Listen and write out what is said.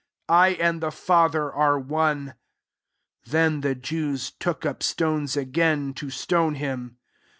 30 I and the Father are one/ SI Then the Jews took up stones' again, to stone him.